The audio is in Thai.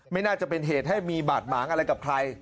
ไม่น่าจะเป็นเหตุให้มีบาดหมางอะไรกับใคร